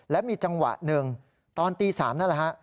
และมีจังหวะหนึ่งตอนตี๓นั่นแหละฮะ